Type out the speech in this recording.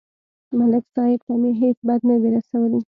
ملک صاحب ته مې هېڅ بد نه دي رسولي